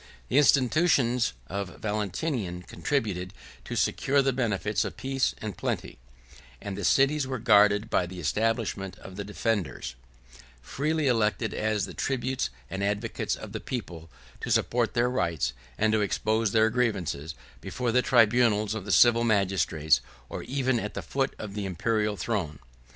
The institutions of Valentinian contributed to secure the benefits of peace and plenty; and the cities were guarded by the establishment of the Defensors; 62 freely elected as the tribunes and advocates of the people, to support their rights, and to expose their grievances, before the tribunals of the civil magistrates, or even at the foot of the Imperial throne.